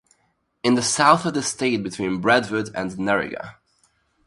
In the south of the state between Braidwood and Nerriga.